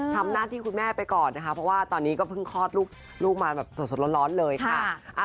ทำหน้าที่คุณแม่ไปก่อนนะคะเพราะว่าตอนนี้ก็เพิ่งคลอดลูกมาแบบสดร้อนเลยค่ะ